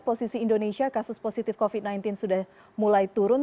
posisi indonesia kasus positif covid sembilan belas sudah mulai turun